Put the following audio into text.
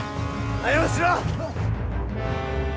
早うしろ！